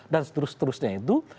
dan seterus terusnya itu